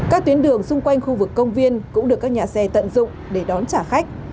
các tuyến đường xung quanh khu vực công viên cũng được các nhà xe tận dụng để đón trả khách